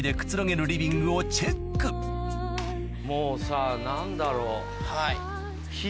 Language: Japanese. もうさ何だろう。